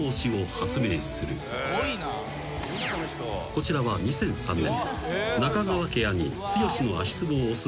［こちらは２００３年］